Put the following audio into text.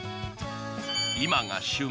今が旬。